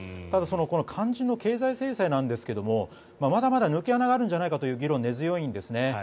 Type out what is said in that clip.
ただ、肝心の経済制裁なんですがまだまだ抜け穴があるんじゃないかという議論が根強いんですね。